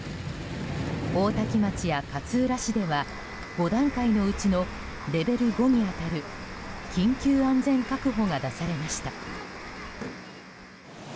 大多喜町や勝浦市では５段階のうちのレベル５に当たる緊急安全確保が出されました。